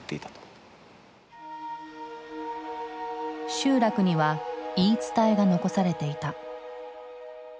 集落には言い伝えが残されていた。